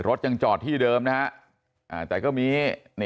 รถยังจอดที่เดิมนะฮะแต่ก็มี